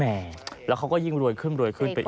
แล้วเขาก็ยิ่งรวยขึ้นรวยขึ้นไปอีก